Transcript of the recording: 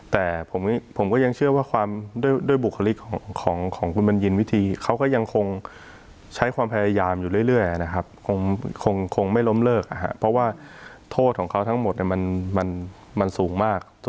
แต่ผมก็ยังเชื่อว่าความ